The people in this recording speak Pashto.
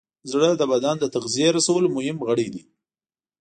زړه د بدن د تغذیې رسولو مهم غړی دی.